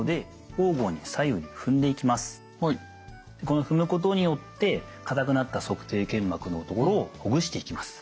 この踏むことによって硬くなった足底腱膜のところをほぐしていきます。